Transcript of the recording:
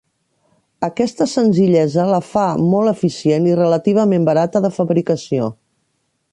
Aquesta senzillesa la fa molt eficient i relativament barata de fabricació.